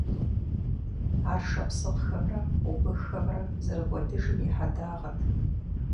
Ар шапсыгъхэмрэ убыххэмрэ зэрыкӀуэдыжым и хьэдагъэт.